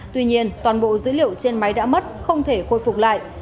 tuy nhiên toàn bộ dữ liệu trên máy đã mất không thể khôi phục lại